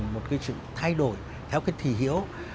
một cái sự thay đổi theo cái thí hiểu